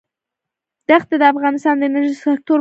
دښتې د افغانستان د انرژۍ سکتور برخه ده.